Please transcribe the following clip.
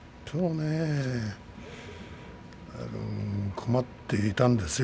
困っていたんですよ